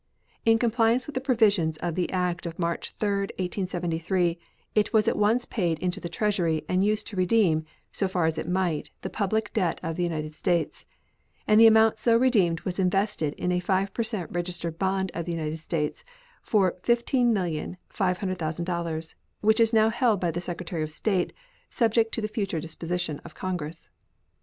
In compliance with the provisions of the act of March 3, 1873, it was at once paid into the Treasury, and used to redeem, so far as it might, the public debt of the United States; and the amount so redeemed was invested in a 5 per cent registered bond of the United States for $15,500,000, which is now held by the Secretary of State, subject to the future disposition of Congress.